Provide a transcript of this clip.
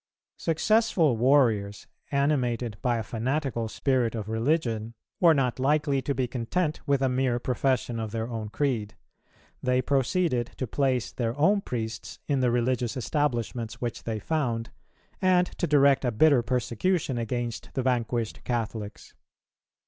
Successful warriors, animated by a fanatical spirit of religion, were not likely to be content with a mere profession of their own creed; they proceeded to place their own priests in the religious establishments which they found, and to direct a bitter persecution against the vanquished Catholics.